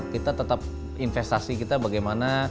kita tetap investasi kita bagaimana